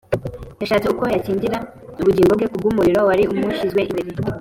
, yashatse uko yakingira ubugingo bwe kubw’umurimo wari umushyizwe imbere